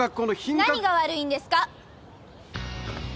・何が悪いんですか？